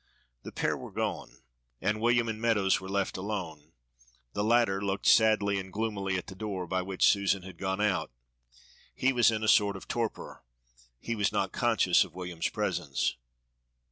The pair were gone, and William and Meadows were left alone. The latter looked sadly and gloomily at the door by which Susan had gone out. He was in a sort of torpor. He was not conscious of William's presence.